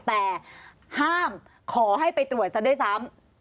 แต่ห้ามขอให้ไปตรวจซะด้วยซ้ำ